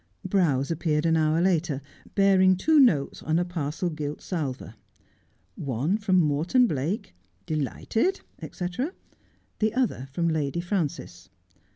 Browse appeared an hour later, bearing two notes on a par cel gilt salver. One from Morton Blake, ' delighted,' &c, the other from Lady Frances.